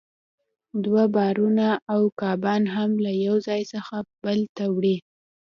دوی بارونه او کبان هم له یو ځای څخه بل ته وړي